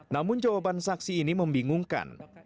namun jawaban saksi ini membingungkan